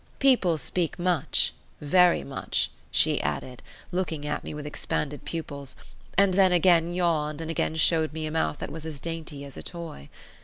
"People speak much, very much," she added, looking at me with expanded pupils; and then again yawned and again showed me a mouth that was as dainty as a toy.